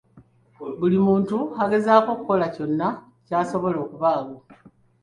Buli muntu agezaako okukola kyonna ky'asobola okubaawo.